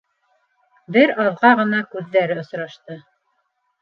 Бер аҙға ғына күҙҙәре осрашты.